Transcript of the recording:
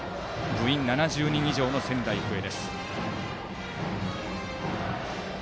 部員７０人以上の仙台育英です。